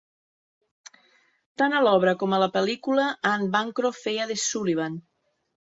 Tant a l'obra com a la pel·lícula Anne Bancroft feia de Sullivan.